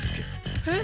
えっ？